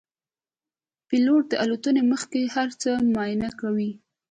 پیلوټ د الوتنې مخکې هر څه معاینه کوي.